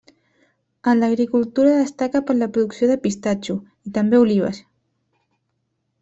En l'agricultura destaca per la producció de pistatxo, i també olives.